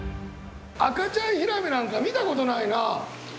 赤ちゃんヒラメなんか見たことないな。